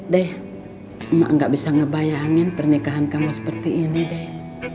deh emak gak bisa ngebayangin pernikahan kamu seperti ini deh